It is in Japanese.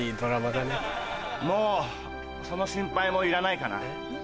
もうその心配もいらないかな。